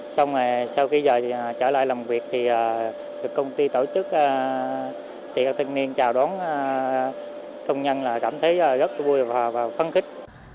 sau khi trở lại làm việc công ty tổ chức tiệc tân niên chào đón công nhân cảm thấy rất vui và phân khích